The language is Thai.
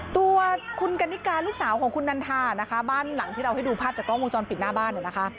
ตัวคุณกันนิกาลูกสาวของคุณนันทานะคะบ้านหลังที่เราให้ดูภาพจากกล้องวงจรปิดหน้าบ้านเนี่ยนะคะ